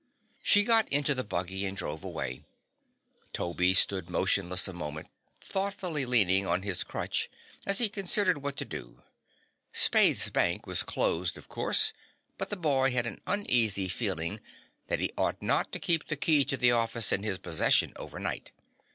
She got into the buggy and drove away. Toby stood motionless a moment, thoughtfully leaning on his crutch as he considered what to do. Spaythe's Bank was closed, of course, but the boy had an uneasy feeling that he ought not to keep the key to the office in his possession overnight.